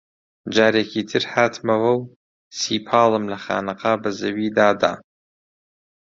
جارێکی تر هاتمەوە و سیپاڵم لە خانەقا بە زەویدا دا